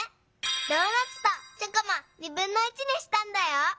ドーナツとチョコもにしたんだよ。